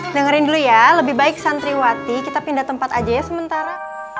dengerin dulu ya lebih baik santriwati kita pindah tempat aja ya sementara